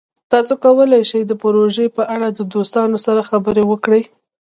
تاسو کولی شئ د پروژې په اړه د دوستانو سره خبرې وکړئ.